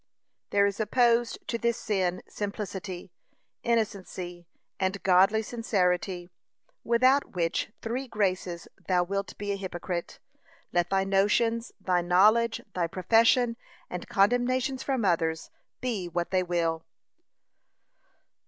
There is opposed to this sin simplicity, innocency, and godly sincerity, without which three graces thou wilt be a hypocrite, let thy notions, thy knowledge, thy profession, and commendations from others, be what they will.